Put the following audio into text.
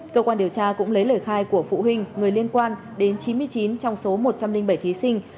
cơ quan điều tra cũng lấy lời khai của phụ huynh người liên quan đến chín mươi chín trong số một trăm linh bảy thí sinh